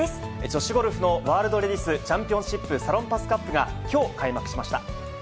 女子ゴルフのワールドレディスチャンピオンシップサロンパスカップがきょう開幕しました。